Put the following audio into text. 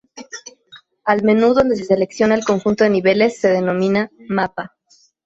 Al menú donde se selecciona el conjunto de niveles se denomina "Mapa".